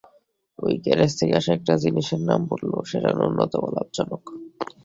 ওই গ্যারেজ থেকে আসা একটা জিনিসের নাম বলো যেটা ন্যূনতম লাভজনক।